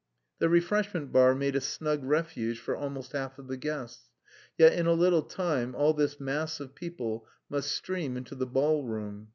The refreshment bar made a snug refuge for almost half of the guests. Yet in a little time all this mass of people must stream into the ballroom.